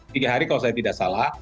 tiga hari kalau saya tidak salah